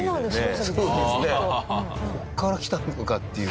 ここからきたのかっていう。